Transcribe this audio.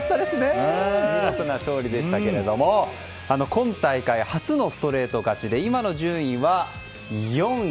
見事な勝利でしたけども今大会初のストレート勝ちで今の順位は４位。